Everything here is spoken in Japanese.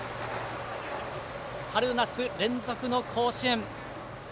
春夏連続の甲子園。